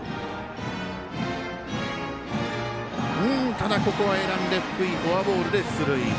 ただ、ここは選んで福井フォアボールで出塁。